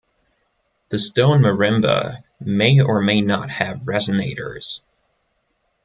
The stone marimba may or may not have resonators.